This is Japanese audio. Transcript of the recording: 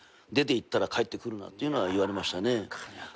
出ていったら帰ってくるなっていうのは言われましたね。